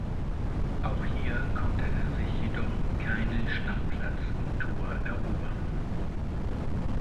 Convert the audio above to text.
Auch hier konnte er sich jedoch keine Stammplatz im Tor erobern.